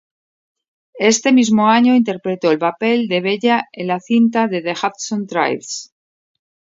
Ese mismo año interpretó el papel de Bella en la cinta "The Hudson Tribes".